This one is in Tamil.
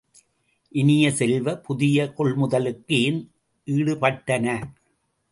இனிய செல்வ, புதிய கொள்முதல்களும் ஏன் ஈட்டப்பட்டன?